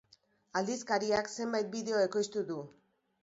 Aldizkariak zenbait bideo ekoiztu du.